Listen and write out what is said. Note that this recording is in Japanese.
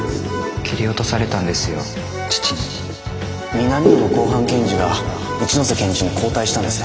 南野の公判検事が一ノ瀬検事に交代したんです。